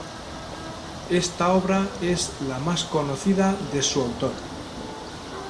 Esta obra es la más conocida de su autor.